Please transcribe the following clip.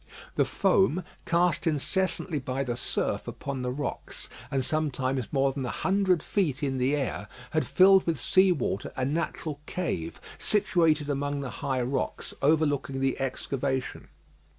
The foam, cast incessantly by the surf upon the rocks and sometimes more than a hundred feet in the air, had filled with sea water a natural cave situated among the high rocks overlooking the excavation.